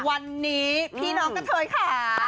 วันนี้พี่น้องกะเทยค่ะ